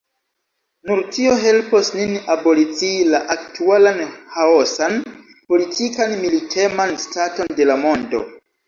Nur tio helpos nin abolicii la aktualan ĥaosan politikan militeman staton de la mondo.